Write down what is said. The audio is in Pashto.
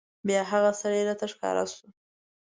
بیا هغه سړی راته راښکاره شو.